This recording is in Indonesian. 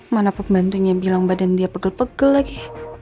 mana pembantunya bilang badan dia pegel pegel lagi